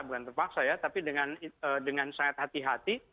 bukan terpaksa ya tapi dengan sangat hati hati